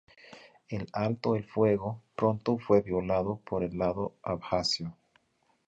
El alto el fuego pronto fue violado por el lado abjasio.